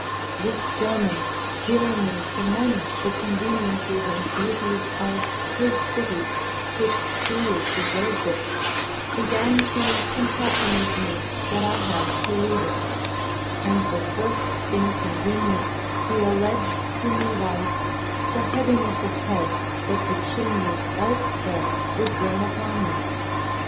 This German hearing me commend the conveniences and beauties of his city, which truly deserves it, began to compassionate me that I had to leave it; and the first inconvenience he alleged to me was, the heaviness of head that the chimneys elsewhere would bring upon me.